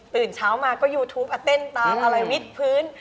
ตื่นเช้ามาก็ยูทูปเต้นตามอะไรมิดพื้น